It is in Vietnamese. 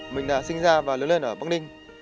mình đã sinh ra và lớn lên ở bắc ninh